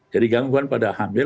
jadi gangguan pada hamil